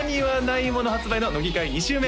２週目